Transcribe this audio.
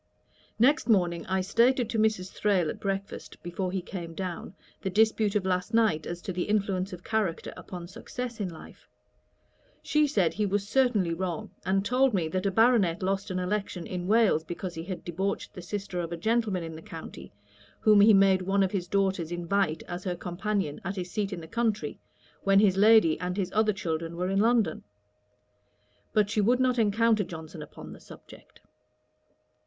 Next morning I stated to Mrs. Thrale at breakfast, before he came down, the dispute of last night as to the influence of character upon success in life. She said he was certainly wrong; and told me, that a Baronet lost an election in Wales, because he had debauched the sister of a gentleman in the county, whom he made one of his daughters invite as her companion at his seat in the country, when his lady and his other children were in London. But she would not encounter Johnson upon the subject.